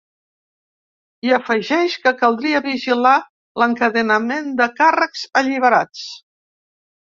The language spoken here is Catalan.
I afegeix que ‘caldria vigilar l’encadenament de càrrecs alliberats’.